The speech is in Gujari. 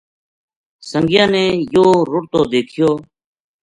سنگیاں نے یوہ رُڑتو دیکھیو